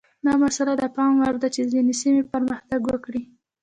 دا مسئله د پام وړ ده چې ځینې سیمې پرمختګ وکړي.